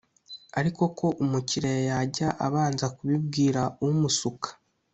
ariko ko umukiriya yajya abanza kubibwira umusuka